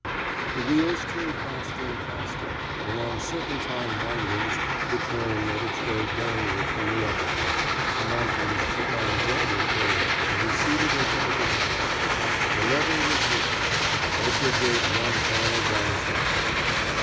The wheels turned faster and faster, along serpentine windings the train made its way downward from the uplands, the mountains took on gentler curves and receded into the distance. The level was reached, and Edgar gave one final glance backward.